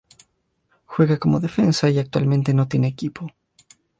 Juega como defensa y actualmente no tiene equipo.